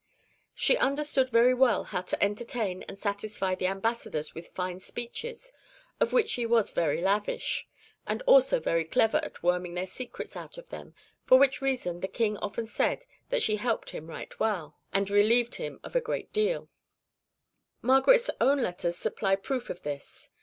She understood very well how to entertain and satisfy the ambassadors with fine speeches, of which she was very lavish, and also very clever at worming their secrets out of them, for which reason the King often said that she helped him right well and relieved him of a great deal." (1) 1 OEuvres de Brantôme, 8vo, vol. v. p. 222. Margaret's own letters supply proof of this.